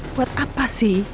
buat apa sih